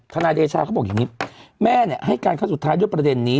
นายเดชาเขาบอกอย่างนี้แม่ให้การครั้งสุดท้ายด้วยประเด็นนี้